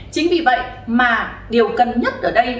chính vì vậy mà điều cần nhất ở đây